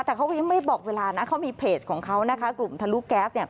แต่เขายังไม่บอกเวลานะเขามีเพจของเขานะคะ